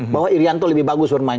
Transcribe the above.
bahwa irianto lebih bagus bermain